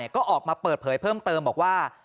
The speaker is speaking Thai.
ก็ออกมาเปิดเผยเพิ่มเติมบอกว่า